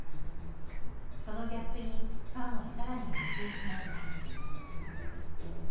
そのギャップにファンはさらに夢中になった。